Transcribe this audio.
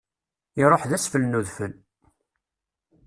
Iruḥ d asfel n udfel.